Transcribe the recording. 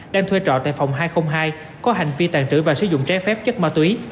đang thuê trọ tại phòng hai trăm linh hai có hành vi tàn trữ và sử dụng trái phép chất ma túy